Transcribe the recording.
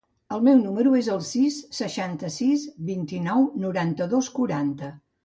El meu número es el sis, seixanta-sis, vint-i-nou, noranta-dos, quaranta.